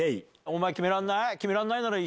お前決められないなら。